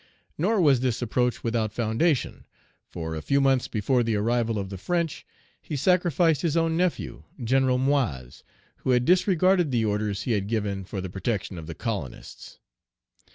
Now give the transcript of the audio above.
Nor was this reproach without foundation; for, a few months before the arrival of the French, he sacrificed his own nephew, General Moyse, who had disregarded the orders he had given for the Page 341 protection of the colonists.